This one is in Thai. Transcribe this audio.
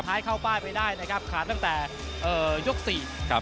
เข้าป้ายไปได้นะครับขาดตั้งแต่เอ่อยกสี่ครับ